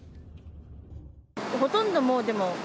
ほとんどもう、でも、煙。